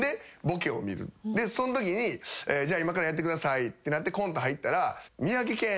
そんときに今からやってくださいってなってコント入ったら。